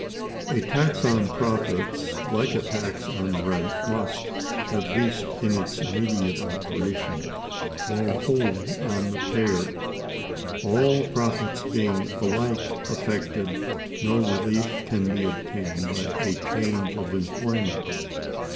A tax on profits, like a tax on rent, must, at least in its immediate operation, fall wholly on the payer. All profits being alike affected, no relief can be obtained by a change of employment.